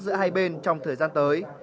giữa hai bên trong thời gian tới